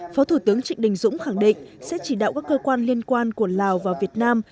phó thủ tướng trịnh đình dũng khẳng định sẽ chỉ đạo các cơ quan liên quan của lào và việt nam